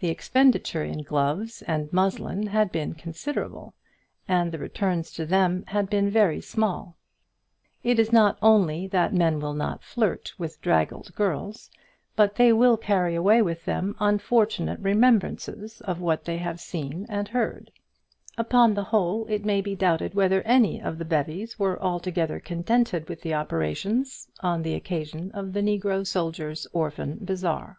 The expenditure in gloves and muslin had been considerable, and the returns to them had been very small. It is not only that men will not flirt with draggled girls, but they will carry away with them unfortunate remembrances of what they have seen and heard. Upon the whole it may be doubted whether any of the bevies were altogether contented with the operations on the occasion of the Negro Soldiers' Orphan Bazaar.